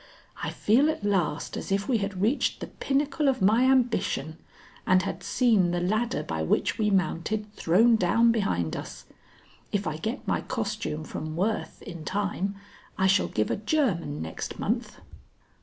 I feel at last as if we had reached the pinnacle of my ambition and had seen the ladder by which we mounted thrown down behind us. If I get my costume from Worth in time, I shall give a German next month."